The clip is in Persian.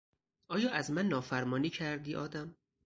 آیا از من نافرمانی کردی آدم؟